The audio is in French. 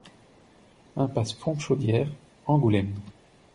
Impasse Fontchaudière, Angoulême